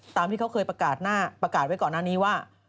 ตามที่เขาเคยประกาศไว้ก่อนหน้านี้ว่า